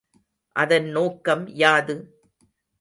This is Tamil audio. அதன் நோக்கம் யாது?